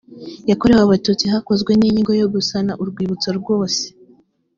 yakorewe abatutsi hakozwe n inyigo yo gusana urwibutso rwose